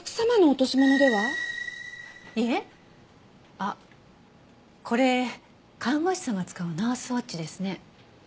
あっこれ看護師さんが使うナースウォッチですね。